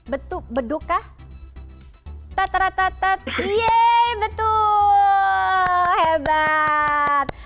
betu beduk kah tatarata yeay betul hebat